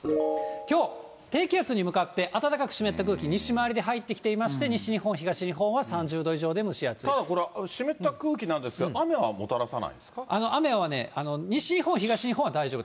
きょう、低気圧に向かって暖かく湿った空気、西回りで入ってきていまして、西日本、ただこれ、湿った空気なんで雨はね、西日本、東日本は大丈夫。